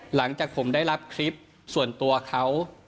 หลังจากผมได้รับคลิปส่วนตัวเขา